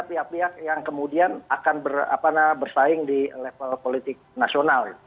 itu yang kemudian akan bersaing di level politik nasional